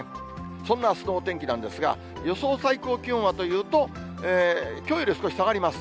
そんなあすのお天気なんですが、予想最高気温はというと、きょうより少し下がります。